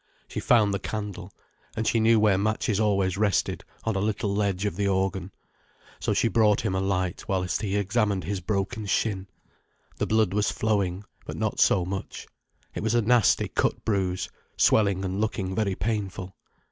She found the candle. And she knew where matches always rested, on a little ledge of the organ. So she brought him a light, whilst he examined his broken shin. The blood was flowing, but not so much. It was a nasty cut bruise, swelling and looking very painful.